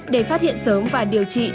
để phát hiện sớm và điều trị